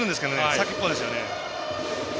先っぽですよね。